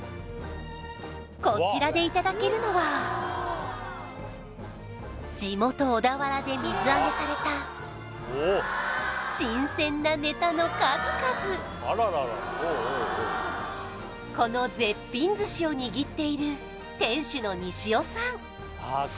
こちらでいただけるのは地元小田原で水揚げされた新鮮なネタの数々この絶品寿司を握っている店主の西尾さん